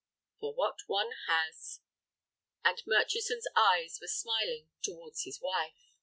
"For what one has." And Murchison's eyes were smiling towards his wife.